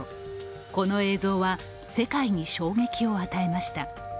この映像は世界に衝撃を与えました。